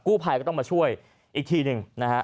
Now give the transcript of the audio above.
ภัยก็ต้องมาช่วยอีกทีหนึ่งนะฮะ